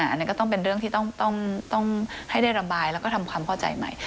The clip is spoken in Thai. อันนี้ก็ต้องเป็นเรื่องที่ต้องให้ได้ระบายแล้วก็ทำความเข้าใจใหม่